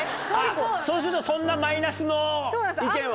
そうするとそんなマイナスの意見は。